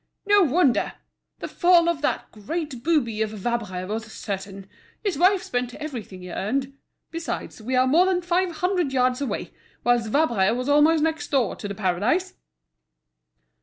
"No wonder! The fall of that great booby of a Vabre was certain. His wife spent everything he earned. Besides, we are more than five hundred yards away, whilst Vabre was almost next door to The Paradise."